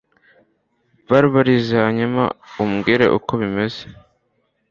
Barbarize hanyuma umbwire uko bimeze